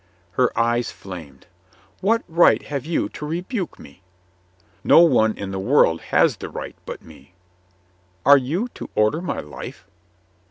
Her eyes flamed. "What right have you to re buke me?" "No one in the world has the right but me." "Are you to order my life?"